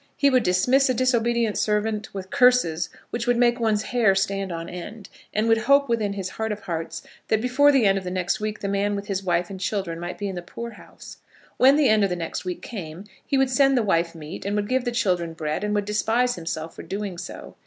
He would dismiss a disobedient servant with curses which would make one's hair stand on end, and would hope within his heart of hearts that before the end of the next week the man with his wife and children might be in the poorhouse. When the end of the next week came, he would send the wife meat, and would give the children bread, and would despise himself for doing so.